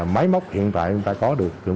máy móc hiện tại chúng ta có được